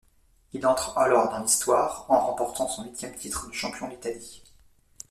Il entre alors dans l'histoire en remportant son huitième titre de champion d'Italie.